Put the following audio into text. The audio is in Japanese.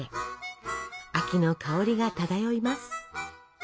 秋の香りが漂います。